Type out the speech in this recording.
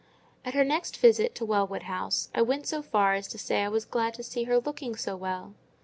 At her next visit to Wellwood House, I went so far as to say I was glad to see her looking so well.